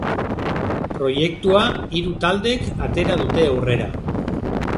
Proiektua hiru taldek atera dute aurrera.